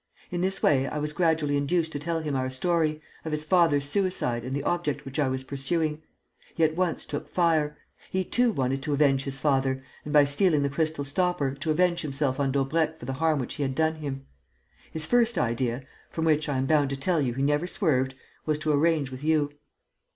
In this way, I was gradually induced to tell him our story, of his father's suicide and the object which I was pursuing. He at once took fire. He too wanted to avenge his father and, by stealing the crystal stopper, to avenge himself on Daubrecq for the harm which he had done him. His first idea from which, I am bound to tell you, he never swerved was to arrange with you."